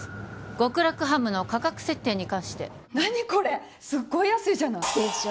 極楽ハムの価格設定に関して何これすっごい安いじゃないでしょ